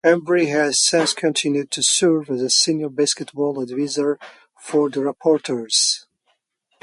Embry has since continued to serve as Senior Basketball Advisor for the Raptors.